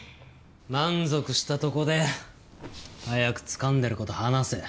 満足したとこで早くつかんでる事話せ。